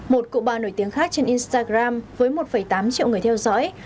một cụ bà nổi tiếng khác trên instagram với một tám triệu người theo dõi